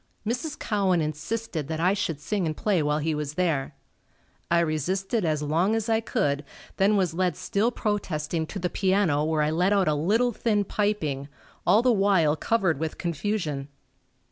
Mrs. Cowan insisted that I should sing and play while he was there. I resisted as long as I could, then was led still protesting to the piano where I let out a little thin piping, all the while covered with confusion.